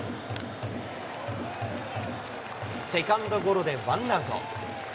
セカンドゴロでワンアウト。